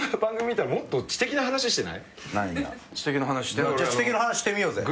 知的な話してみようぜ。